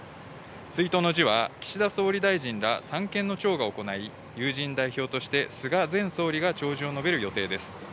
追悼の辞は岸田総理大臣ら三権の長が行い、友人代表として菅前総理が弔辞を述べる予定です。